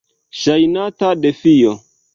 Ŝajnata defio.